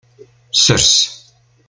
Sers.